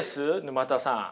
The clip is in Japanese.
沼田さん。